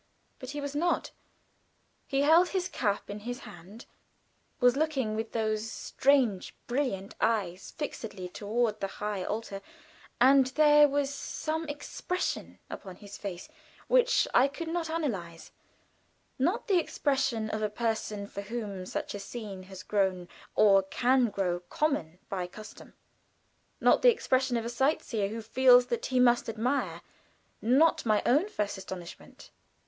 But he was not. He held his cap in his hand was looking with those strange, brilliant eyes fixedly toward the high altar, and there was some expression upon his face which I could not analyze not the expression of a person for whom such a scene has grown or can grow common by custom not the expression of a sight seer who feels that he must admire; not my own first astonishment.